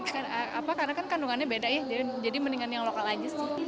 karena kan kandungannya beda ya jadi mendingan yang lokal aja sih